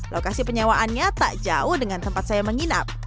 lokasi penyewaannya tak jauh dengan tempat saya menginap